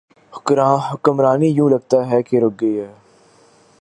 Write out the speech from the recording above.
حکمرانی یوں لگتا ہے کہ رک گئی ہے۔